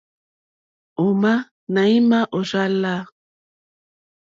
Ò má náɛ̌má ò rzá lā.